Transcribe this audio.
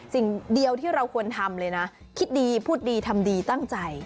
สิ่งเดียวที่เราควรทำเลยนะคิดดีพูดดีทำดีตั้งใจ